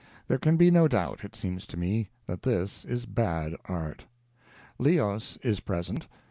There can be no doubt, it seems to me, that this is bad art. Leos is present.